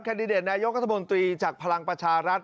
แคลดิเดตนายกสมตรีจากพลังประชารัฐ